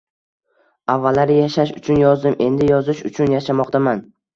Avvallari yashash uchun yozdim, endi yozish uchun yashamoqdaman.